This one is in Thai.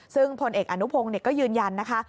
ซึ่งพลเอกอนุพงศ์ก็ยืนยันนะคะ